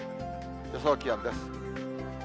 予想気温です。